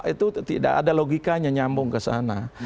itu tidak ada logikanya nyambung ke sana